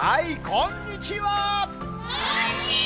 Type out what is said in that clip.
こんにちは！